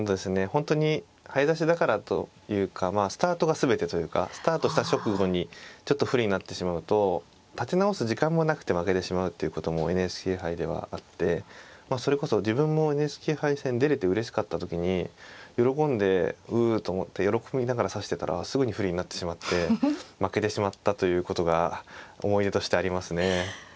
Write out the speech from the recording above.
本当に早指しだからというかスタートが全てというかスタートした直後にちょっと不利になってしまうと立て直す時間もなくて負けてしまうっていうこともＮＨＫ杯ではあってそれこそ自分もＮＨＫ杯戦出れてうれしかった時に喜んでうっと思って喜びながら指してたらすぐに不利になってしまって負けてしまったということが思い出としてありますね。